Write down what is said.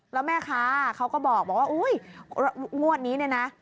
แล้วแม่ค้าเขาก็บอกว่าอุ๊ยงวดนี้เนี่ยนะ